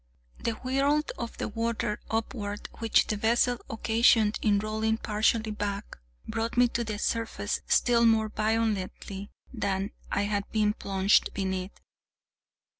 The whirl of the water upward, which the vessel occasioned in rolling partially back, brought me to the surface still more violently than I had been plunged beneath.